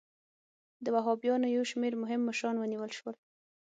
د وهابیانو یو شمېر مهم مشران ونیول شول.